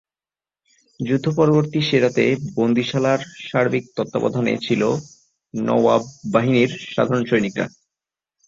যুদ্ধ- পরবর্তী সে রাতে বন্দিশালার সার্বিক তত্ত্বাবধানে ছিল নওয়াব বাহিনীর সাধারণ সৈনিকরা।